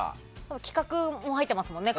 企画も入ってますもんね